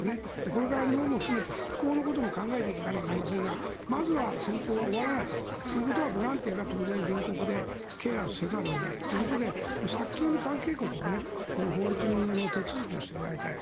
これから日本も含めて復興のことも考えなきゃいけませんがまずは戦闘が終わらないということはボランティアが隣国でケアせざるを得ないということで早急に関係国が法律の手続きをしてもらいたい。